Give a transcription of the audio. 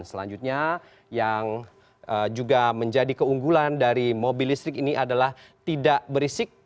selanjutnya yang juga menjadi keunggulan dari mobil listrik ini adalah tidak berisik